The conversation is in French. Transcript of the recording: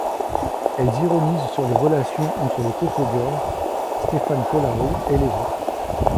Elles ironisent sur les relations entre les coco-girls, Stéphane Collaro et les autres.